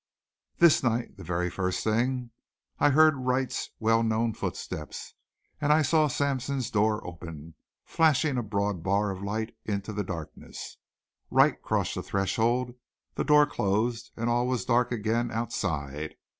This night, the very first thing, I heard Wright's well known footsteps, and I saw Sampson's door open, flashing a broad bar of light into the darkness. Wright crossed the threshold, the door closed, and all was dark again outside.